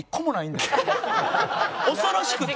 恐ろしくて。